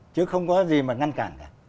chứ không có gì mà ngăn cản cả